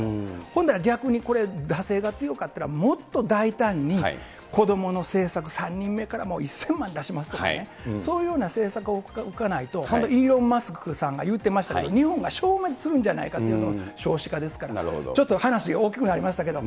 今度は逆にこれ、惰性が強かったら、もっと大胆に、子どもの政策、３人目から１０００万出しますとかね、そういうような政策をおかないと、イーロン・マスクさんが言ってましたけど、日本が消滅するんじゃないかという、少子化ですから、ちょっと話大きくなりましたけど。